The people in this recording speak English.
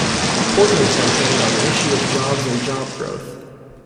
Portman campaigned on the issue of jobs and job growth.